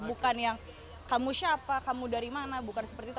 bukan yang kamu siapa kamu dari mana bukan seperti itu